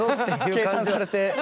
計算されて。